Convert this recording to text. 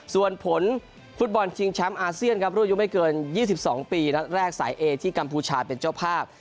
ส่วนผลฟุตบอลชิงแชมป์อาเซียนครับรุ่นอายุไม่เกิน๒๒ปีนัดแรกสายเอที่กัมพูชาเป็นเจ้าภาพ